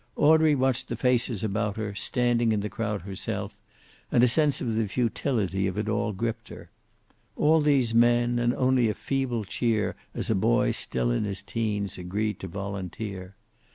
Audrey watched the faces about her, standing in the crowd herself, and a sense of the futility of it all gripped her. All these men, and only a feeble cheer as a boy still in his teens agreed to volunteer.